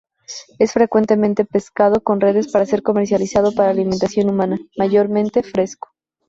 Es frecuentemente pescado con redes para ser comercializado para alimentación humana, mayormente fresco.